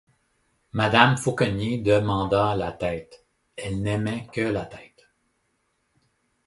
Madame Fauconnier demanda la tête; elle n'aimait que la tête.